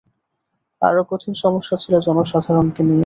আরও কঠিন সমস্যা ছিল জনসাধারণকে নিয়ে।